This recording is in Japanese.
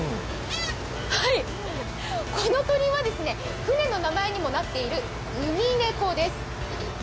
この鳥は船の名前にもなっているウミネコです。